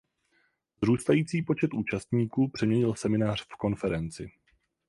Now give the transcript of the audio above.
Vzrůstající počet účastníků přeměnil seminář v konferenci.